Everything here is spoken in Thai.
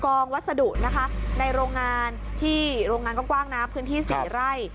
วัสดุนะคะในโรงงานที่โรงงานกว้างนะพื้นที่๔ไร่